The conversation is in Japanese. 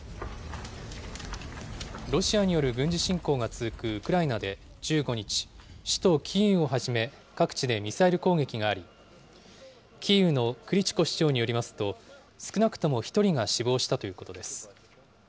ロシアによる軍事侵攻が続くウクライナで１５日、首都キーウをはじめ、各地でミサイル攻撃があり、キーウのクリチコ市長によりますと、少なくとも１人が死亡したということです。